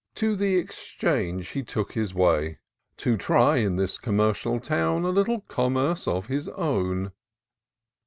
To the Exchange he took his way. To try in this commercial town A little commerce of his own.